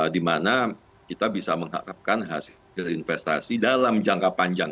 dimana kita bisa mengharapkan hasil investasi dalam jangka panjang